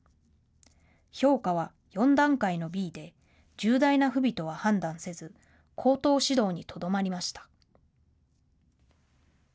評価は４段階のｂで重大な不備とは判断せず口頭指導にとどまりました。